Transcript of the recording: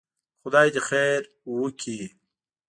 خدای دې خير وکړي.